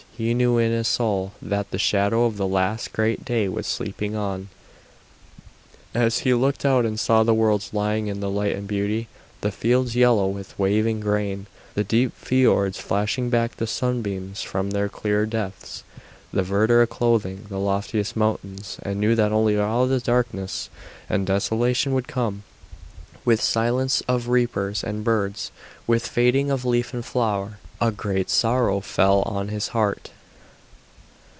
He knew in his soul that the shadow of the last great day was sweeping on; as he looked out and saw the worlds lying in light and beauty, the fields yellow with waving grain, the deep fiords flashing back the sunbeams from their clear depths, the verdure clothing the loftiest mountains, and knew that over all this darkness and desolation would come, with silence of reapers and birds, with fading of leaf and flower, a great sorrow fell on his heart.